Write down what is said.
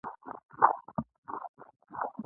د ایتلافي ځواکونو پر ضد جګړه کې یو شول.